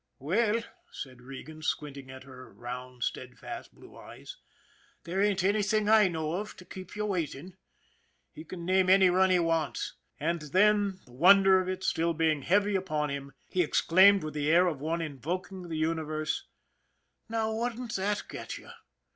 " Well," said Regan, squinting at her round, stead fast, blue eyes, " there ain't anything I know of to keep you waiting. He can name any run he wants. And then, the wonder of it being still heavy upon him, he exclaimed with the air of one invoking the uni verse :" Now, wouldn't that get you